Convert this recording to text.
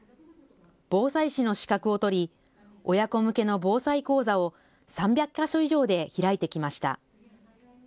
防災士の資格を取り、親子向けの防災講座を３００か所以上で開いてきました。